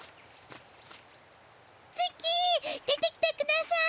ツッキー出てきてください！